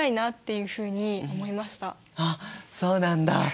あっそうなんだ。